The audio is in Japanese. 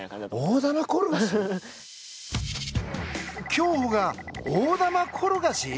競歩が大玉転がし？